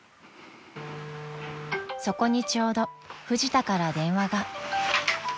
［そこにちょうどフジタから電話が］